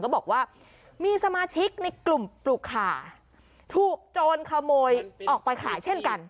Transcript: บอกว่ามีสมาชิกในกลุ่มปลูกขาถูกโจรขโมยออกไปขายเช่นกัน